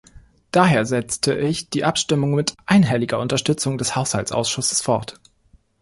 Daher setzte ich die Abstimmung mit einhelliger Unterstützung des Haushaltsausschusses fort.